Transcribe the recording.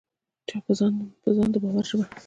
په ځان د باور ژبه: